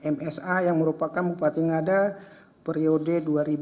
msa yang merupakan bupati ngada periode dua ribu lima belas dua ribu tujuh belas